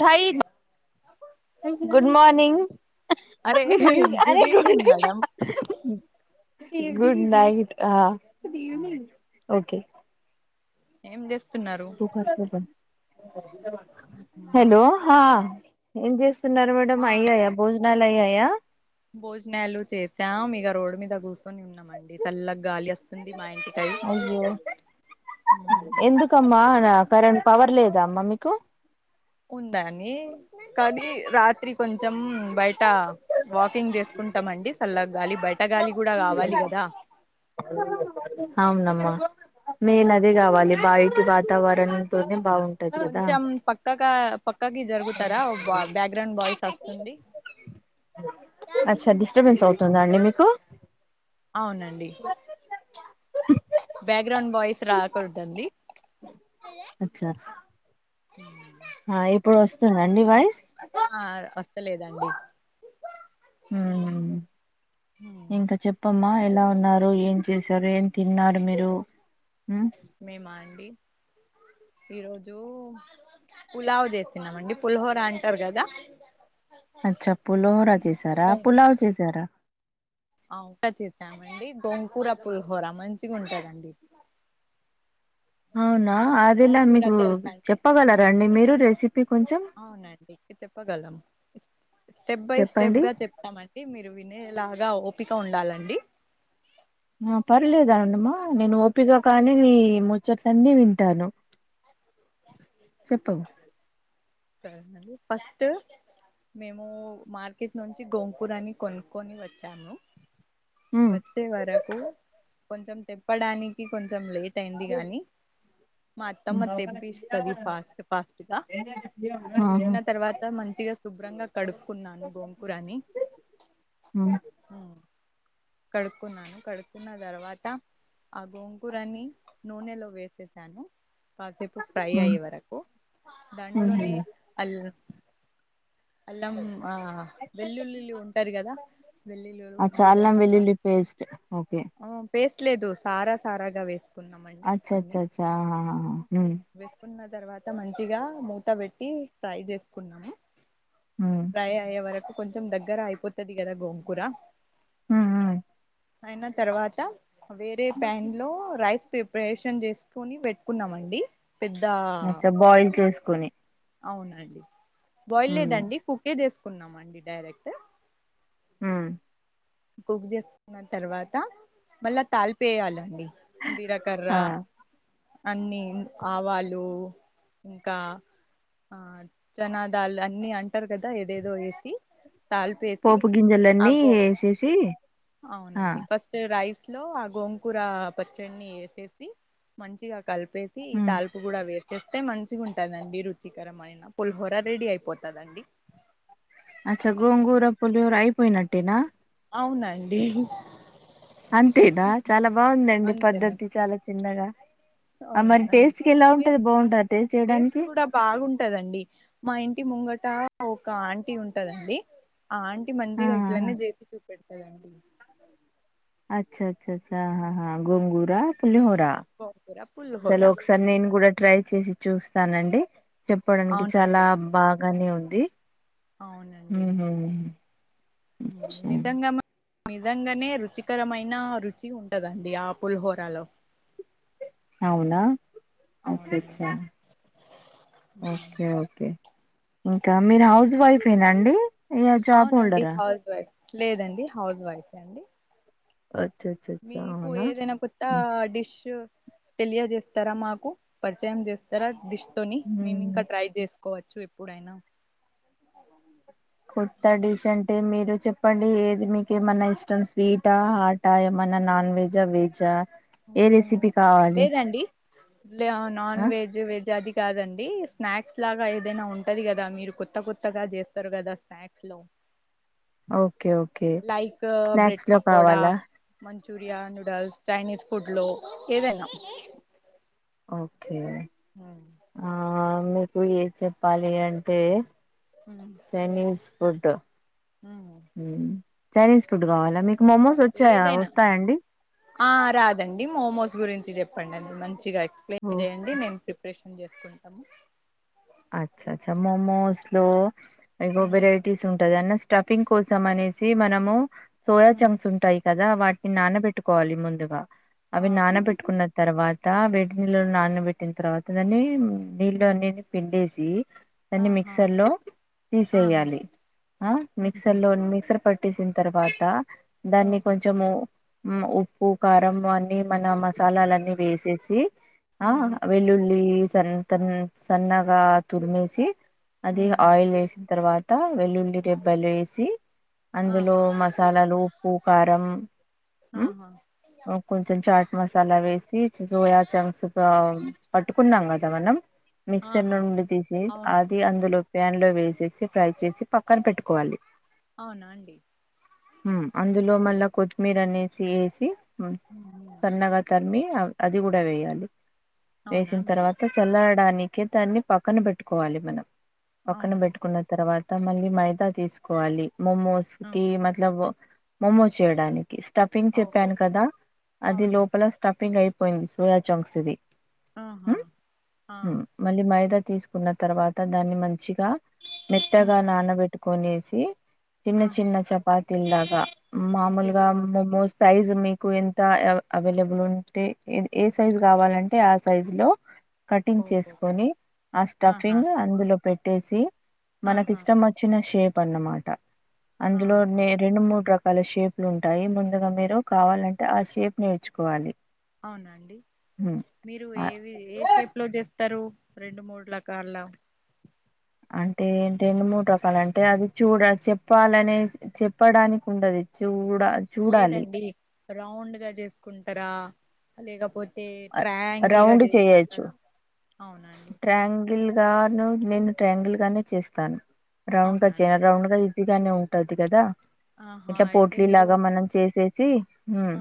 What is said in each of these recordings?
టైబ్ అ good morning అరే good evening good అరే good evening madam good night ఆ ఓకే ఏమో హలో హా ఏం చే తిన్నారా ఆ మేడమ్ అయ్యాయా భోజనాలు అయ్యాయా భోజనాలు చేసాం ఇగ రోడ్డు మీద కూసోని ఉన్నామండి చల్లగా గాలి వస్తుంది మా ఇంటికై అయ్యో ఎందుకమ్మా నా కరెం పవర్ లేదా అమ్మా మీకు ఉందాని కానీ రాత్రి కొంచెం బయట వాకింగ్ చేసుకుంట ఉంటామండి చల్లగ గాలి బయట గాలి కూడా కావాలి కదా అవునమ్మా మెయిన్ అదే కావాలి బయట అవును వాతావరణంతోనే బాగుంటది కదా కొంచెం పక్కగా పక్కకి జరుగుతారా బ్యాక్గ్రౌండ్ వాయిస్ వస్తుంది అచ్చ డిస్టర్బెన్స్ అవుతుందా అండి మీకు అవునండి బ్యాక్గ్రౌండ్ వాయిస్ రాకూడదండి అచ్చ ఇప్పుడు వస్తుందండి వాయిస్ ఆ వస్తలేదండి మ్మ్ హ ఇంకా చెప్పమ్మా ఎలా ఉన్నారు ఏం చేశారు ఏం తిన్నారు మీరు మ్మ్ మేమా అండి ఈరోజు పులావ్ చేసినం అండి పులహోర అంటారు కదా అచ్చా పుల్లహొరా చేసారా పులావ్ చేసారా ఆ చేసామండి గోంకూర పులిహోర మంచిగా ఉంటుందండి అవున అదిలా మీకు తెలుసా అండి చెప్పగలర అండి మీరు రెసిపీ కొంచెం అవునండి చెప్పగలం స్టెప్ బై స్టెప్ చెప్పండి గా చెప్తామండి. మీరు వినేలాగా ఓపిక ఉండాలండి ఆ పర్లేదు అన్నమా నేను ఓపిక కానీ నీ ముచ్చట్లన్నీ వింటాను చెప్పవు ఫస్ట్ మేము మార్కెట్ నుంచి గోంగూరని కొనుక్కొని వచ్చాము ఉమ్ వచ్చే వరకు కొంచెం తిప్పడానికి కొంచం చం లేట్ అయింది గాని మా ఉమ్, అత్తమ్మ తెంపిస్తది ఫాస్ట్ ఫాస్ట్ గా ఆహా ఇచ్చిన ఉమ్ తర్వాత మంచిగా శుభ్రంగా కడుక్కున్నాను గోంగూర అని ఉమ్ కడుక్కున్నాను. కడుక్కున్న తర్వాత ఆ గోంగూరని నూనెలో వేసేసాను కాసేపు ఫ్రై ఉమ్ అయ్యే వరకు దాంట్లోనే అల్ అల్లం ఆ వెల్లుల్లిల్లు ఉంటారు కదా వెల్లుల్లురు అచ్చా వీరా అల్లం వెల్లుల్లి పేస్ట్ ఓకే పేస్ట్ లేదు సారా సారాగా వే అచ్చ అచ్చ అచ్చ హా హా వేసుకున్న తర్వాత మంచిగా మూత పెట్టి ఫ్రై చేసుకున్నాము ఉమ్ ట్రై అయ్యే వరకు కొంచెం దగ్గర అయిపోతుది కదా గోంగూర హమ్ హమ్ అయిన తర్వాత వేరే ప్యాన్ లో రైస్ ప్రిపరేషన్ చేసుకని పెట్టుకున్నామండి పెద్ద కొని అవునండి బాయిల్ లేదండి కుక్కే చేసుకున్నామ అండి డైరెక్ట్ హమ్ కుక్ చేసుకున్న తర్వాత మళ్ళా తాళపు వెయ్యాలండి జీలకర్ర ఆ అన్ని ఆవాలు ఇంకా ఆ జనా దాలు అన్ని అంటారు కదా ఏదేదో వేసి తాలిపేసి పోపు ఆ గింజలన్నీ గో వేసేసి అవునండి ఫస్ట్ రైస్ ఇట్ లో ఆ గోకూర పచ్చడిని వేసేసి మంచిగా కలిపేసి ఈ ఉమ్ తలుపు కూడా వేసేసి స్తే మంచిగా ఉంటదండి రుచికరమయిైన పుల్హోర రెడీ అయిపోతుందండి అచ్చా గోంగూర పులిహోర అయిపోయినట్టేనా అవునండి అంతేనా చాలా బాగుందండి అంతేనా పద్ధతి చాలా చిన్నగా ఆ అవునా మరి అండి టేస్ట్ కి ఎలా ఉంటది టేస్ట్ బాగుంటది టేస్ట్ కూడా బాగుంటదండి మా ఇంటి ముంగట ఒక ఆంటీ ఉంటదండి ఆ ఆంటీ మంచిగా ఆహా ఇట్లనే చేపి చూ చేస్తదండి అచ్చ అచ్చా గోంగూర, పులిహోర గోంగూర పులిహోర సలు ఒకసారి నేను కూడా ట్రై చేసి చూస్తానండి చెప్పడానికి చాలా అవునండి బాగానే ఉంది అవునండి ఉహ నిజంగా నిజంగానే రుచికరమైన రుచి ఉండదండి ఆ పులుహోరలో అవునా అచ్చచ్చ అవునండి ఓకే ఓకే ఇంకా మీరు హౌస్ వైఫ్ ఏనాండి అవునండి హౌస్ వైఫ్ లేదండి హౌస్ వైఫ్ అండి అచ్చ అచ్చ అచ్చ మీకు అవునా ఏదైనా కొత్త డిష్ తెలియజేస్తారా మాకు పరిచయం చేస్తారా డిష్ తోని నేను ఉమ్ ఇంకా ట్రై చేసు కోవచ్చు ఎప్పుడైనా కొత్త డిష్ అంటే మీరు చెప్పండి ఏది మీకు ఏమన్నా ఇష్టం స్వీటా హాటా ఏమన్ నాన్ వెజా వెజ్జా లేదండి నాన్ ఆ వెజ్ వెజ్ అది కాదండి స్నాక్స్ లాగా ఏదైనా ఉంటది కదా మీరు కొత్త కొత్తగా చేస్తరు కదా స్నాక్స్ లో ఓ లైక్ బ్రెడ్ పకోడా కావాలా మ మంచూరియా నూడల్స్ చైనీస్ ఫుడ్ లో ఏదైనా ఓకే ఆ మీకు ఏ చెప్పాలి అంటే చైనిస్ ఫుడ్ చైనీస్ ఫుడ్ కావాల మీ ఏదైనా ఆ రాదండి మోమోస్ గురించి చెప్ చెప్పండి మంచిగా ఓ ఎక్స్ప్లెయిన్ చేయండి మేము ప్రిపరేషన్ చేసుకుంటాము అచ్చ అచ్చ మోమోస్ లో ఇగ వెరైటీస్ ఉంటది అన్న స్టఫింగ్ కోసం అనేసి మనము సోయా చంక్స్ ఉంటాయి కదా కదా వాటిని నానబెట్టుకోవాలి ముందుగా అవి ఆహా నానబెట్టుకున్న తర్వాత అ బెడ్ నీళ్ళలో నానబెట్టిన తర్వాత దాన్ని నీళ్ళ అన్నిటిని పిండేసి దన్ని ఆహా మిక్సర్ లో ఆహా తీసేయాలి ఆ ఓహో మిక్సర్ లో మిక్సర్ పట్ తీసిన్ తరువాత దాన్ని ఉహు కొంచెం ఉ ఉప్పు కారం అన్ని మన మసాలాలన్నీ వేసేసి ఉహు వెల్లుల్లి సన్త్ సన్నగా తురిమేసి అది ఉహు ఆయిల్ వేసిన తర్వాత వెల్లుల్లి వెళ్ళి రెబ్బలు వేసి అందులో ఆహా మసాలాలు ఉప్పు కారం మ్మ్ ఆహా కొంచెం చాట్ మసాలా వేసి సోయా చమ్స్ పట్టుకున్నాం కదా మన అ మిక్సర్ లో నుండి తీసి అది అందులో ప్యాన్ లో వేసేసి ఫ్రై చేసి పక్కన పెట్టుకోవాలి అవునా అండి ఉ అందులో మళ్ళా కొత్తిమీర అనేసి వేసి ఉ ఉహు సన్నగా తరిమి అది కూడా వేయాలి అవునా వేసిన అండి తర్వాత చల్లరడానికే దాన్ని పక్కన పెట్టుకోవాలి పక్కన అవునా పెట్టుకున్న తర్వాత మళ్ళీ మైదా తీసుకోవాలి మొమోస్ కి మల్ల మమో చేయడానికి స్టఫింగ్ ఓహో చెప్పాను కదా అది అవునండి లోపల స్టఫింగ్ అయి పోయి సూయ చొంక్సది ఆహా ఆ మళ్ళీ మైదా తీసుకున్న తర్వాత దాన్ని మంచిగా ఉహు మెత్తగా నానబెట్టుకొనేసి చిన్న ఆహా! చిన్న చపాతిళ్ళాగా మామూలుగా చేసుకోవాలండి. మొమోస్ సైజ్ మీక్ ఎంత అవైలబుల్ ఉంటే ఏ సైజు కావాలంటే ఆ సైజు లో కటింగ్ ఓహో! చేసుకొని ఆ ఆహా! స్టఫింగ్ అందులో పెట్టేసి మనకి ఆహా! ఇష్టం వచ్చిన షేప్ అన్నమాట అందులో ఆహా! రెండు మూడు రక రకాల షేప్లు ఉంటాయి. ముందుగా మీరు కావాలంటే ఆ షేప్ నేర్చుకోవాలి. అవునండి హ్మ్ మీరు అ ఏవి ఏ షేప్లో చేస్ స్తరు రెండు మూడు రకాల అంటే రెండు మూడ్ రకాలంటే అది చూడ చెప్పాలనేస్ చెప్పడానికి ఉండదు చూ డ చూడాలి. రౌండ్గ చేస్కుంటరా లేకపోతే తే అ ట్రాయాంగిల్గా రౌండ్ చేయొచ్చు చేస్కుంటరా ట్రయాంగిల్ గాను నేను ట్రయాంగిల్గానే చేస్తాను రౌండ్గా అవునా చేయను అండి. రౌండ్గ ఈ గానే ఉంటది కదా ఆహా! ఇట్ల అయితే పోట్లీ మీరు లాగా మనం చేసేసి హ్మ్ ఆ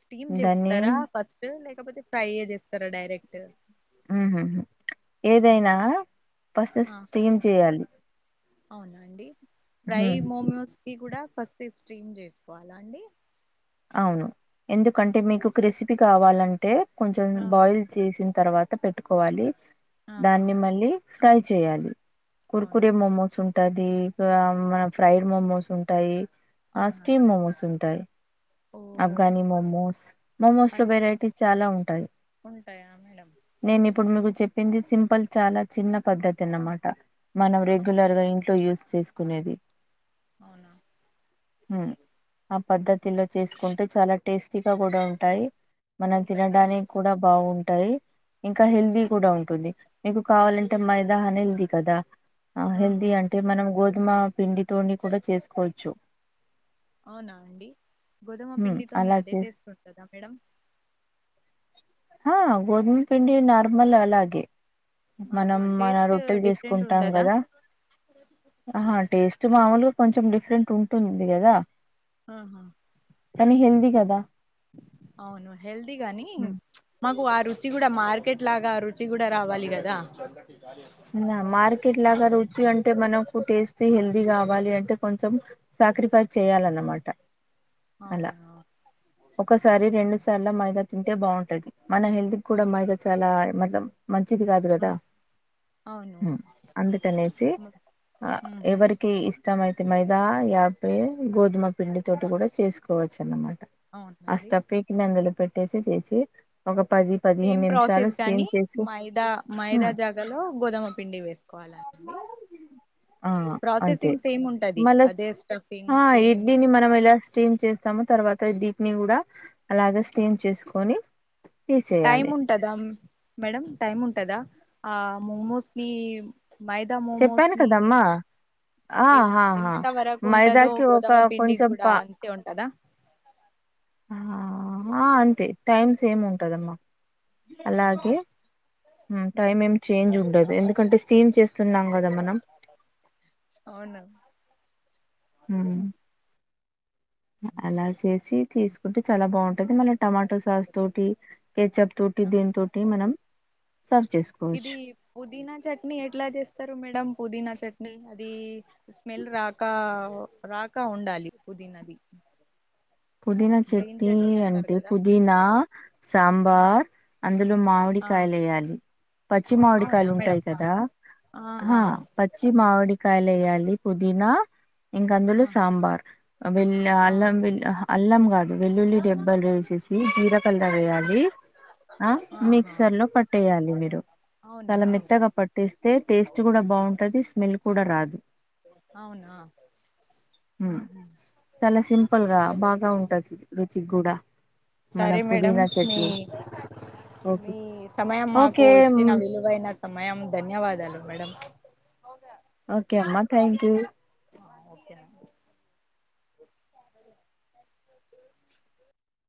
స్టీమ్ దాన్ని చేస్తారా ఫస్ట్ లేకపోతే ఫ్రైయే చేస్తారా డైరెక్ట్ మ్ హ్ ఏదైనా ఫస్ట్ ఆ! స్టీమ్ చేయాలి. అవునా అండి ఫ్రై ఉమ్ మోమోస్కి కూడా ఫస్టే స్ట్రీమ్ చేస్కోవాలా అండి. అవును ఎందుకంటే మీకు ఒక క్రేస్పీ కావాలంటే కొంచం ఆహా! బాయిల్ చేసి తర్వాత పెట్టుకోవాలి. ఆహా! దాన్ని మళ్ళీ ఫ్రై చేయాలి. అవునా కుర్కురే మొమోస్ ఉంటాది ఇంకా మన ఫ్రైడ్ మొమోస్ ఉంటాయి. అవునా ఆస్క్రీమ్ అండి మోమోస్ ఉంటాయి. ఓహో అఫ్ఘనీ మొమోస్ మొమోస్లో అరే వెరైటీస్ చాలా ఉంటాయి. ఉంటాయా మేడం నేన్ ఉమ్, ఇప్పుడు మీకు చెప్ రింది సింపల్ చాలా చిన్న పద్దతి అన్నమాట. మనం ఆ, రెగ్యులర్గా ఇంట్లో యూస్ చేస్కునేది అవునా మ్ ఆ పద్ధత్ చేస్కుంటే చాలా టేస్టీగా కూడా ఉంటాయి మనం ఉంటదా తినడానికి కూడా బాగుం టాయి ఇంకా హెల్దీ కూడా ఉంటుంది. అవునా మీకు కావాలంటే మైదా హనీ ఉంది కదా ఆ హెల్దీ ఆహా అంటే మనం గోధుమ పిండితోని కూడ చేస్కోవచ్చు. అవునా అండి గోధుమ పిండితోని అలా అదే చేసి టేస్ట్ ఉంటదా మేడం ఆ గోధుమ పిండి నార్మల్ అలాగే మనం ఆహా మన టేస్ట్ రొట్టెల్ డిఫరెంట్ తీస్కుంటాం ఉండదా కదా అహ టేస్ట్ మాముల్గ కొంచం డిఫరెంట్ ఉంటుంది గదా ఆహా కదా అవును హెల్దీ గాని హ్మ్. మాక్ కు ఆ రుచి గుడా మార్కెట్ లాగా రుచి గుడా రావాలి గదా మార్కెట్ లాగా రుచి అంటే మనకు టేస్టీ, హెల్తీ కావాలి అంటే కొంచం సాక్రిఫైస్ చేయాలన్నమాట అలా అవునా ఒకసారి రెండు సార్ల మైదా తింటే బాగుంటది. మన హెల్త్ కూడా అవును మైద చాలా మలం మంచిది కాదు ఉమ్ గదా అవును అందుకనేసి ఆ ఉహు ఎవరికి ఇష్టమైతే మైదా ఇగ అవ్వే గోధుమ పిండి తోటి గుడా చేస్కోవచ్చు అన్నమా ఆ అవునండి స్టఫ్పెకి కింద అందులో పెట్టేసి చేసి ఒక పది పదిహేను సేమ్ నిమిషాలు ప్రాసెస్ స్టీమ్ గాని చేసి మైదా మైదా హ్మ్. జాగలో గోధమ పిండి వేస్కోవాల అండి ఆ అంతే ప్రాసెసింగ్ సేమ్ ఉంటది అదే స్టఫింగ్ ఆ ఇద్ సేమ్ దీన్ని మనమ ట స్టీమ్ చేస్తామో తర్వాత డీప్ని కూడా అలాగ స్టీమ్ చేస్కోని టైమ్ తీసేయాలె. ఉంటదా మేడం టైమ్ ఉంటదా ఆ మోమోస్కీ మైదా మోమోస్ చెప్పాను ని కదమ్మా ఆహాహా ఇంత వరకు ఉంటదుో మైదాకి ఒక గోదమ పిండి కొంచెం కూడా పా అంతే ఉంటదా ఆ అంతే టైమ్స్ ఏమి ఉంటందమ్మా అవునా అలాగే ఉమ్. టైం ఏం చేంజ్ ఉండదు ఎందుకంటే స్టీమ్ చేస్తున్నాం కదా మనం అవున హమ్ అలా చేసి తీసుకుంటే చాలా బాగుంటది మన టమాటో సాస్ తోటి కేెచ్ప్ తోటి దీని ఆహా. తోటి మనం సర్వ్ చేసుకోవచ్చు ఇది పుదీనా చట్నీ ఎట్లా చేస్తారు మేడం పుదీనా చట్నీ అది స్మెల్ రాక రాక ఉండాలి పుదీనది పుదీనా చెట్టి అంటే పుదీనా సాంబార్ అందులో మామిడి ఆ కాయలు వేయాలి పచ్చి అవునా మామిడికాయలు ఉంటాయి మేడం కదా ఆ ఆహా పచ్చి మామిడికాయలు వయ్యాలి పుదీనా ఇంక అందులో ఆహా సాంబార్ వెల్ ఆ అల్లం వెల్ అల్లం కాదు వెల్లుల్లి డెబ్బలు వేసేసి జీలకర్ర వేయాలి ఆ ఆహా మిక్సర్ లో పట్టేయాలి మీరు అవునా చాలా మెత్తగా పట్టటిస్తే టేస్ట్ కూడా బావుంటది స్మెల్ కూడా రాదు అవునా హమ్ ఉమ్ హమ్ చాలా సింపుల్ గా అట్లా చేస్త బాగా ఉంటది రుచికి కూడా మన సరే మేడం పుదీనా మీ చట్నీ ఓకే మీ సమయం మాకు ఓకే ఇచ్చిన విలువైన సమయం ధన్యవాదాలు మేడం ప్రోగ్రాం ఓకే అమ్మా థ్యాంక్ యూ ఓకే